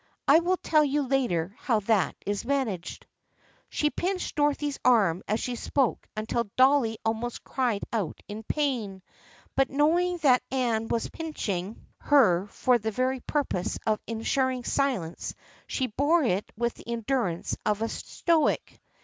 I will tell you later how that is managed." She pinched Dorothy's arm as she spoke until Dolly almost cried out in pain, but knowing that Anne was pinching her for the very purpose of en suring silence she bore it with the endurance of a stoic.